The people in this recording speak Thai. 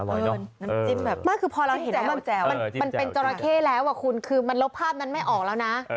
มันเป็นจราเข้แล้วคุณคือมันรบภาพนั้นไม่ออกแล้วนะ